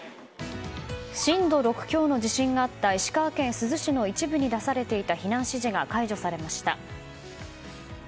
震度６強の地震があった石川県珠洲市の一部に出されていた避難指示が解除されました。